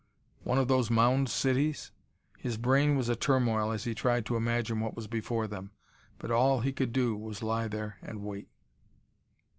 One of those mound cities? His brain was a turmoil as he tried to imagine what was before them. But all he could do was lie there and wait.